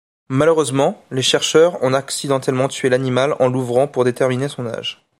Malheureusement, les chercheurs ont accidentellement tué l'animal en l'ouvrant pour déterminer son âge.